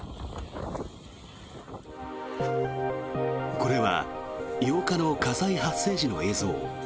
これは８日の火災発生時の映像。